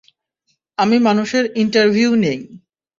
আমি মানুষের ইন্টারভিউ নেই।